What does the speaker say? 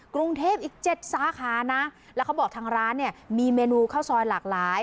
กรุงเทพอีกเจ็ดสาขานะแล้วเขาบอกทางร้านเนี่ยมีเมนูข้าวซอยหลากหลาย